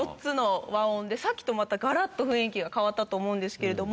さっきとまたがらっと雰囲気が変わったと思うんですけれども。